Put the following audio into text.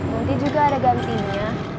nanti juga ada gantinya